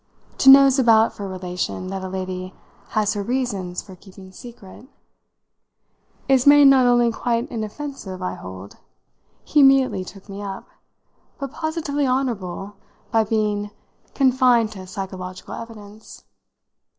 To nose about for a relation that a lady has her reasons for keeping secret " "Is made not only quite inoffensive, I hold" he immediately took me up "but positively honourable, by being confined to psychologic evidence."